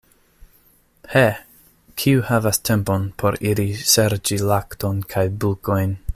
He, kiu havas tempon, por iri serĉi lakton kaj bulkojn!